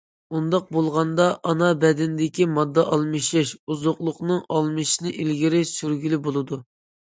ئۇنداق بولغاندا ئانا بەدىنىدىكى ماددا ئالمىشىش، ئوزۇقلۇقنىڭ ئالمىشىشىنى ئىلگىرى سۈرگىلى بولىدۇ.